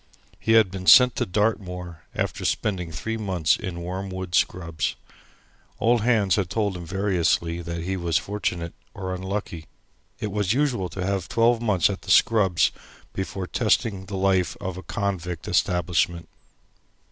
He had been sent to Dartmoor after spending three months in Wormwood Scrubbs. Old hands had told him variously that he was fortunate or unlucky. It was usual to have twelve months at the Scrubbs before testing the life of a convict establishment.